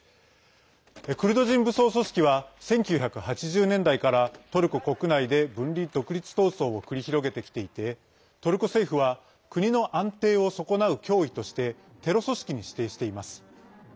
クルド人武装組織は１９８０年代からトルコ国内で分離独立闘争を繰り広げてきていてトルコ政府は国の安定を損なう脅威としてテロ組織に指定しています。